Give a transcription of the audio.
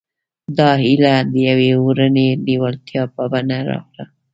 دا هيله د يوې اورنۍ لېوالتيا په بڼه راغله.